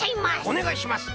おねがいします！